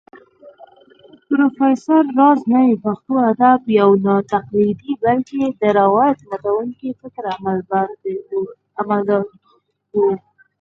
پروفېسر راز نوې پښتو ادب يو ناتقليدي بلکې د روايت ماتونکي فکر علمبردار و